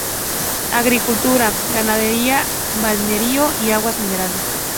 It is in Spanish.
Agricultura, ganadería, balneario y aguas minerales.